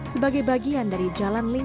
sebagai bagian dari jalan lintas